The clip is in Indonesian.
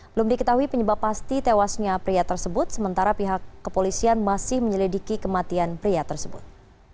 belum diketahui penyebab pasti tewasnya pria tersebut sementara pihak kepolisian masih menyelidiki kematian pria tersebut